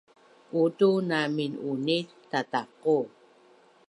uutu na minunit tataqu